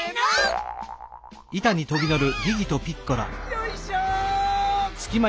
よいしょ！